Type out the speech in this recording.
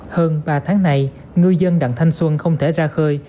hơn ba tháng này ngư dân đặng thanh xuân không thể ra khơi